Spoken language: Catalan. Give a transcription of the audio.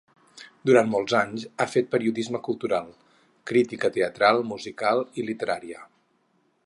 Durant molts anys ha fet periodisme cultural: crítica teatral, musical i literària.